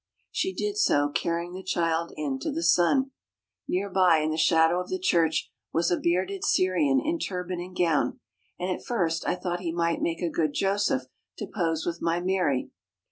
She did so, carrying the child into the sun. Near by, in the shadow of the church, was a bearded Syrian in turban and gown, and at first I thought he might make a good Joseph to pose with my Mary.